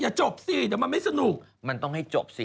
อย่าจบมั้ยไม่สนุกมันต้องให้จบสิ